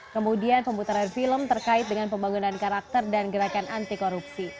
kemudian pemutaran film terkait dengan pembangunan karakter dan gerakan anti korupsi